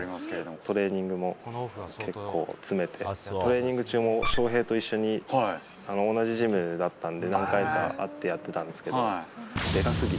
トレーニングも結構、つめて、トレーニング中も翔平と一緒に、同じジムだったんで、何回かあってやってたんですけど、でかすぎて。